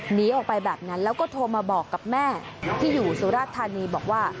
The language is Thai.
หนีออกไปแบบนั้นแล้วก็โทรมาบอกกับแม่ที่อยู่สุราชธานีบอกว่า